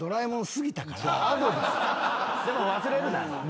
でも忘れるな。